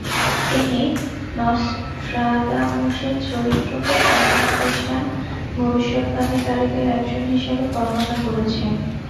তিনি নসট্রাদামুসের চরিত্রকে প্রাচীন খ্রিস্টান ভবিষ্যদ্বাণীকারীদের একজন হিসাবে বর্ণনা করেছেন।